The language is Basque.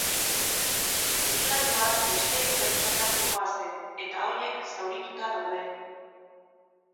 Ibilgailuan beste hiru pertsona zihoazen eta horiek zaurituta daude.